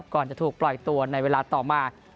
ก่อนจะถูกปล่อยตัวในเวลาต่อมา